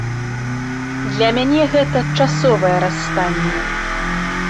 Для мяне гэта часовае расстанне.